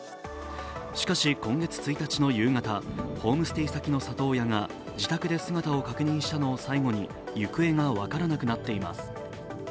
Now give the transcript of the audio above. しかし、今月１日の夕方ホームステイ先の里親が自宅で姿を確認したのを最後に行方が分からなくなっています。